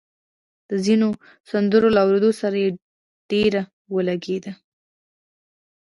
د ځينو سندرو له اورېدو سره يې ډېره ولګېده